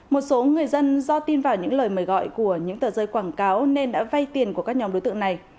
một số người dân do tin vào những lời mời gọi của những tờ rơi quảng cáo nên đã vay tiền của các nhóm đối tượng này